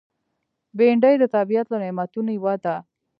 بېنډۍ د طبیعت له نعمتونو یوه ده